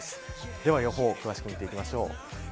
では予報、詳しく見ていきます。